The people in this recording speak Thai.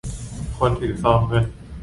คนถือซองเงิน